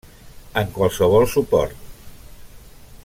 En qualsevol suport.